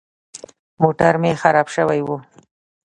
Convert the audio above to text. موټر مې خراب سوى و.